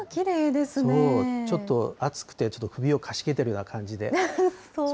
そう、ちょっと暑くて、ちょっと首をかしげているような感じで。